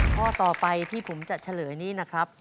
ข้อต่อไปที่ผมจะเฉลยนี้นะครับ